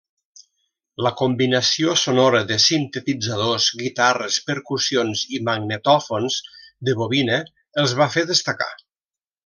La combinació sonora de sintetitzadors, guitarres, percussions i magnetòfons de bobina els va fer destacar.